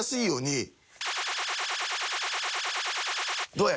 どうや？